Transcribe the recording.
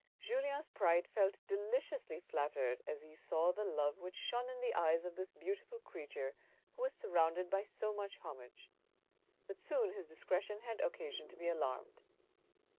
Julien's pride felt deliciously flattered as he saw the love which shone in the eyes of this beautiful creature who was surrounded by so much homage; but soon his discretion had occasion to be alarmed.